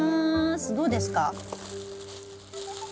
どうですか？